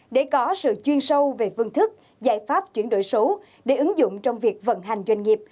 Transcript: để có sự chuyên sâu về vương thức giải pháp chuyển đổi số để ứng dụng trong việc vận hành doanh nghiệp